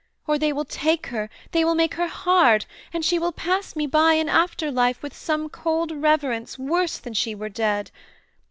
Or they will take her, they will make her hard, And she will pass me by in after life With some cold reverence worse than were she dead.